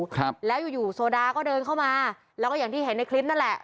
ครับแล้วอยู่อยู่โซดาก็เดินเข้ามาแล้วก็อย่างที่เห็นในคลิปนั่นแหละ